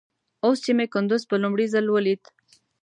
اوس چې مې کندوز په لومړي ځل وليد.